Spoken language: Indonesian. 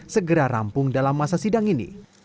segera rampung dalam masa sidang ini